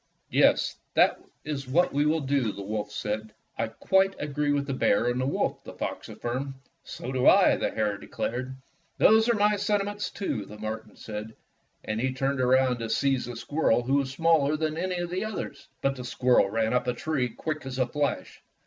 "Yes, that is what we will do," the wolf said. 124 Fairy Tale Foxes ''I quite agree with the bear and ,the wolf," the fox affirmed. ''So do I," the hare declared. "Those are my sentiments, too," the marten said. And he turned around to seize the squirrel who was smaller than any of the others. But the squirrel ran up a tree, quick as a flash.